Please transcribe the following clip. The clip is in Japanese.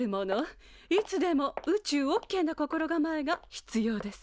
いつでも宇宙オッケーな心構えが必要です。